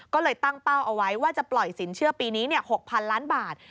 ก็เลยตั้งเป้าเอาไว้ว่าจะปล่อยสินเชื่อปีนี้๖๐๐๐ล้านบาท